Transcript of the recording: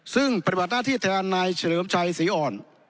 ซึ่งปฏิบัติหน้าที่แทนนายเฉลิมชัยศรีอ่อน